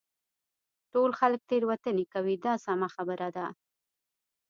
ټول خلک تېروتنې کوي دا سمه خبره ده.